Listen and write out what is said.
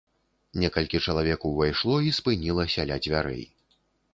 Некалькі чалавек увайшло і спынілася ля дзвярэй.